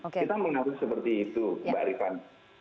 kita mengharus seperti itu mbak arifan